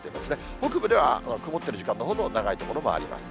北部では曇っている時間のほうが長い所もあります。